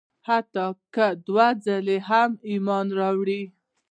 حتی که دوه ځله هم ایمان راوړي.